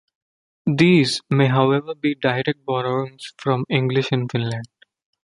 These may, however, be direct borrowings from English in Finland.